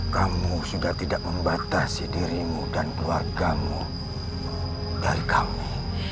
kamu sudah tidak membatasi dirimu dan keluargamu dari kami